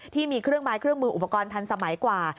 ที่มีเครื่องไม้เครื่องมืออุปกรณ์ทันสมัยกว่า